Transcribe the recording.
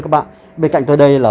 bên cạnh tôi đây là